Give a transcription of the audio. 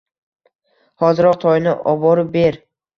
Hoziroq toyni oborib ber.